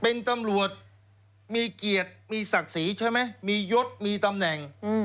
เป็นตำรวจมีเกียรติมีศักดิ์ศรีใช่ไหมมียศมีตำแหน่ง